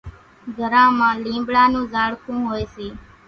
گھران مان لينٻڙا نون زاڙکون هوئيَ سي۔